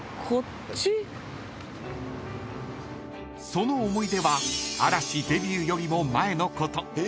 ［その思い出は嵐デビューよりも前のこと］